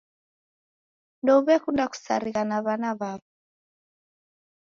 Ndouw'ekunda kusarigha na w'ana w'apo.